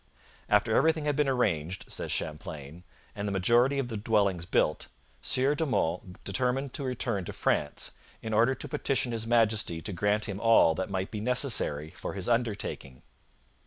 'After everything had been arranged,' says Champlain, 'and the majority of the dwellings built, Sieur de Monts determined to return to France, in order to petition His Majesty to grant him all that might be necessary for his undertaking.'